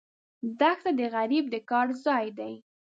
دښته د غریب د کار ځای ده.